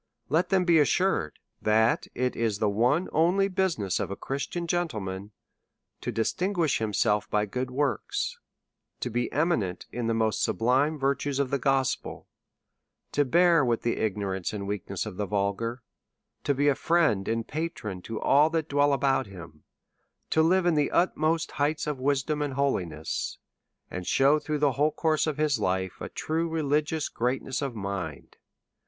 Let them be assured that it is the one only business of a Christian gentleman to distinguish himself by good workSj to be eminent in the most sublime virtues of the gospel, to bear with the ignorance and weak ness of the vulgar, to be a friend and patron to all that dwell about him, to live in the utmost heights of wis dom and holiness, and shew, through the whole course of his life, a true religious greatness of mind.